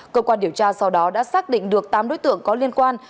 cơ quan điều tra sau đó đã xác định được tám đối tượng có liên quan